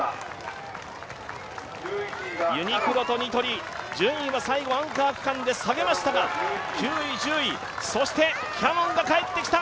ユニクロとニトリ、順位は最後アンカー区間で下げましたが９位、１０位、そしてキヤノンが帰ってきた。